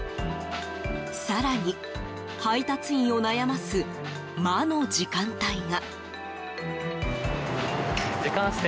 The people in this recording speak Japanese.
更に、配達員を悩ます魔の時間帯が。